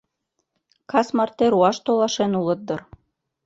Кас марте руаш толашен улыт дыр.